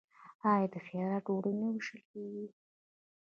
آیا د خیرات ډوډۍ نه ویشل کیږي؟